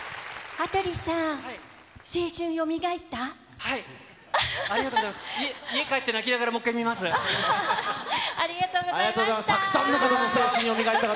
羽鳥さん、青春よみがえった？